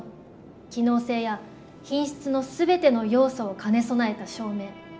機能性や品質の全ての要素を兼ね備えた照明。